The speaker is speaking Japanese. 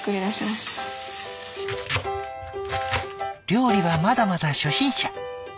料理はまだまだ初心者。